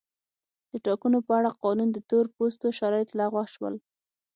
د ټاکنو په اړه قانون د تور پوستو شرایط لغوه شول.